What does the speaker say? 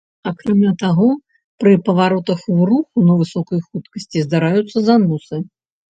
Акрамя таго, пры паваротах ў руху на высокай хуткасці здараюцца заносы.